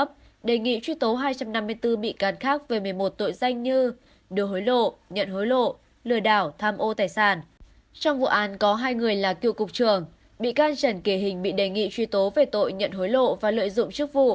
bị can trần kỳ hình bị đề nghị truy tố về tội nhận hối lộ và lợi dụng chức vụ